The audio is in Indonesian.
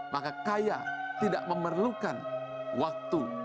maka kaya tidak memerlukan waktu